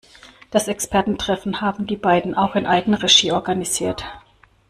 Das Expertentreffen haben die beiden auch in Eigenregie organisiert.